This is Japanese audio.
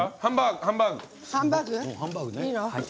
ハンバーグ？